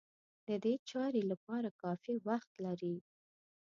د دې چارې لپاره کافي وخت لري.